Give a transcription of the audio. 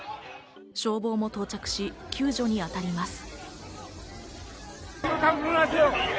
消防も到着し、救助にあたります。